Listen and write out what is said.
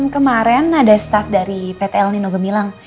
kemarin ada staff dari pt el nino gemilang